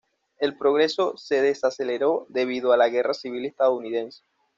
El progreso se desaceleró debido a la guerra civil estadounidense.